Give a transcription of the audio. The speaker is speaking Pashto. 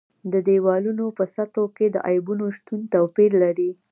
د دېوالونو په سطحو کې د عیبونو شتون توپیر لري.